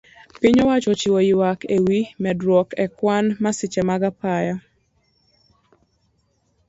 Piny owacho ochiwo yuak ewi medruok e kwan masiche mag apaya